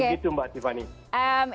begitu mbak tiffany